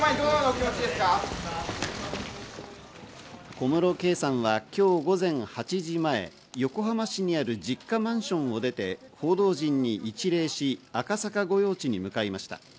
小室圭さんはきょう午前８時前、横浜市にある実家マンションを出て報道陣に一礼し、赤坂御用地に向かいました。